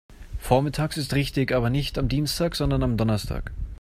Vormittags ist richtig, aber nicht am Dienstag, sondern am Donnerstag.